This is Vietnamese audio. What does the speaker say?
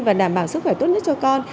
và đảm bảo sức khỏe tốt nhất cho con